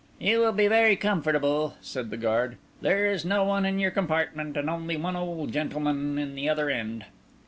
"You will be very comfortable," said the guard; "there is no one in your compartment, and only one old gentleman in the other end."